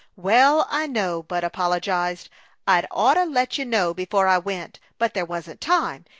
"Well, I know," Bud apologized. "I'd oughta let you know before I went, but there wasn't time.